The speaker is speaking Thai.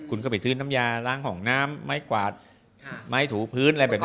คุณก็ไปซื้อน้ำยาล้างห้องน้ำไม้กวาดไม้ถูพื้นอะไรแบบนี้